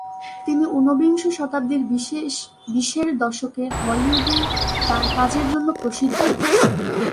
তিনি উনবিংশ শতাব্দীর বিশের দশকে হলিউডে তার কাজের জন্য প্রসিদ্ধ।